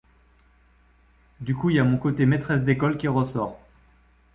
Du coup y’a mon côté maîtresse d’école qui ressort.